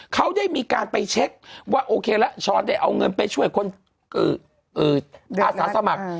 เขาได้มีการไปเช็คว่าโอเคละช้อนได้เอาเงินไปช่วยคนอาสาสมัคร